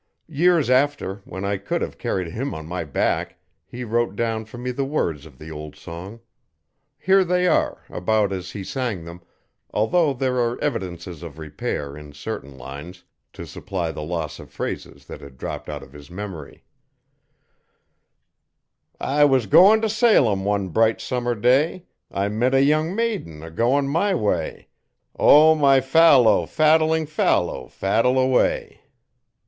Years after, when I could have carried him on my back' he wrote down for me the words of the old song. Here they are, about as he sang them, although there are evidences of repair, in certain lines, to supply the loss of phrases that had dropped out of his memory: I was goin' to Salem one bright summer day, I met a young maiden a goin' my way; O, my fallow, faddeling fallow, faddel away.